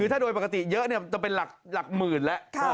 คือถ้าโดยปกติเยอะเนี้ยจะเป็นหลักหลักหมื่นแล้วค่ะ